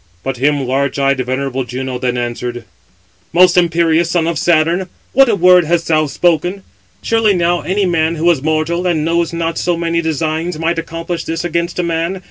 But him large eyed, venerable Juno then answered: "Most imperious son of Saturn, what a word hast thou spoken? Surely now any man who is mortal, and knows not so many designs, might accomplish this against a man.